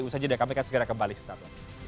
usahanya deh kami akan segera kembali sesat